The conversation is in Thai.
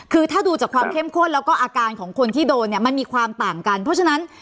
คือถ้าดูจากความเข้มข้นแล้วก็อาการของคนที่โดนเนี่ยมันมีความต่างกันเพราะฉะนั้น